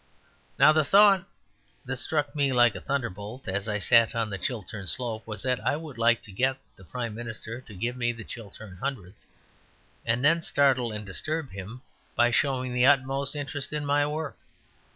Now, the thought that struck me like a thunderbolt as I sat on the Chiltern slope was that I would like to get the Prime Minister to give me the Chiltern Hundreds, and then startle and disturb him by showing the utmost interest in my work.